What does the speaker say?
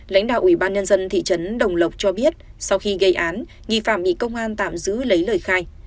lãnh đạo ủy ban nhân dân thị trấn đồng lộc cho biết sau khi gây án nghi phạm bị công an tạm giữ lấy lời khai